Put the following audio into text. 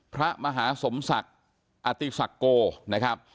พระมหาสมศักดิ์อาติศักดิ์โก